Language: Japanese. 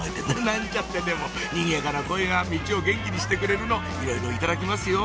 なんちゃってでもにぎやかな声がミチを元気にしてくれるのいろいろいただきますよ